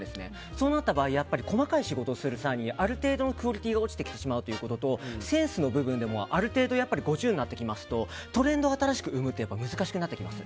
そうなった場合細かい仕事をする際にある程度クオリティーが落ちてきてしまうということとセンスの部分でもある程度５０になってきますとトレンドを新しく生むって難しくなってきます。